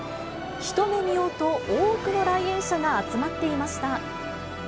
一目見ようと多くの来園者が集まっていました。